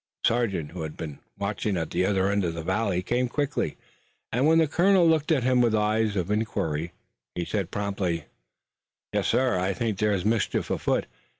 The sergeant, who had been watching at the other end of the valley, came quickly and, when the colonel looked at him with eyes of inquiry, he said promptly: "Yes, sir; I think there's mischief a foot.